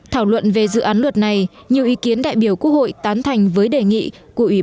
thảo luận về dự án luật này nhiều ý kiến đại biểu quốc hội tán thành với đề nghị của ủy ban